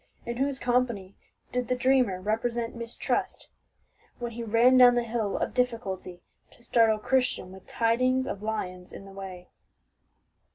"In whose company did the dreamer represent Mistrust, when he ran down the Hill of Difficulty to startle Christian with tidings of lions in the way?"